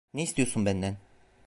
Ne istiyorsun benden?